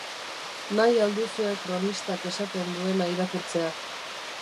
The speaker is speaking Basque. Nahi al duzue kronistak esaten duena irakurtzea?